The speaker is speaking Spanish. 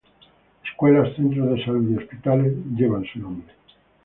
Escuelas, centros de salud y hospitales llevan su nombre.